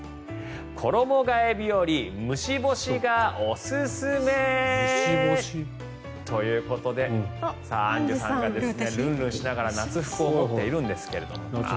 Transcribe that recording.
衣替え日和虫干しがおすすめ！ということで、アンジュさんがルンルンしながら夏服を持っているんですけど。